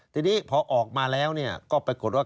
ทีนี้พอออกมาแล้วก็ปรากฏว่า